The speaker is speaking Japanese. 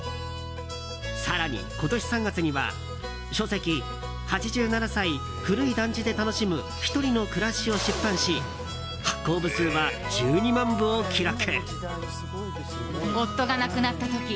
更に今年３月には書籍「８７歳、古い団地で愉しむひとりの暮らし」を出版し発行部数は１２万部を記録。